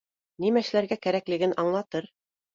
Нимә эшләргә кәрәклеген аңлатыр